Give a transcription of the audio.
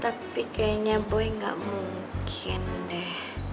tapi kayaknya boy gak mungkin deh